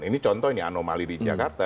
ini contohnya anomali di jakarta